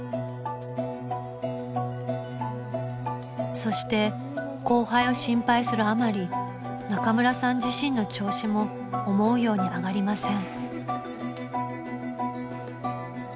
そして後輩を心配するあまり中村さん自身の調子も思うように上がりません。